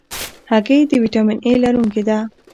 هګۍ د ویټامین A لرونکې ده.